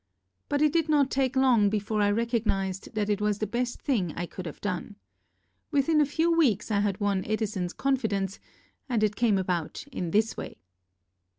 But it did not take long before I recognized that it was the best thing I could have done. Within a few weeks I had won Edison's confidence and it came about in this way.